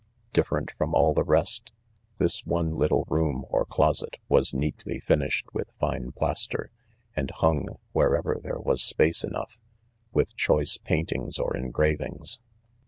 Different from all the rest, this one little room,' or closet, was neatly finished with fine plaster, and ' hung, wherever there was' space enough," with choice paintings or engra vings.